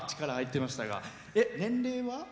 年齢は？